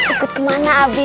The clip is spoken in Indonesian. ikut ke mana abi